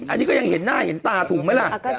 อันนี้ก็ยังเห็นหน้าเห็นตาถูกไหมล่ะ